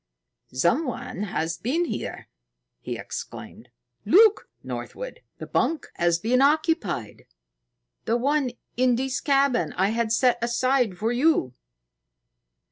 "Someone has been here!" he exclaimed. "Look, Northwood! The bunk has been occupied the one in this cabin I had set aside for you."